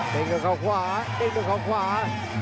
เต็มตัวข้างขวาเต็มตัวข้างขวา